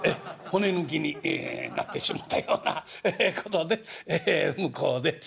骨抜きになってしもうたようなことで向こうで」。